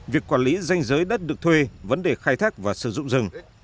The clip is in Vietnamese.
việc quản lý danh giới đất được thuê vấn đề khai thác và sử dụng rừng